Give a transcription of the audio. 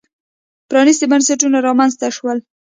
پرانېستي بنسټونه رامنځته شول.